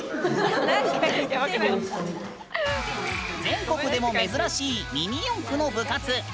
全国でも珍しいミニ四駆の部活。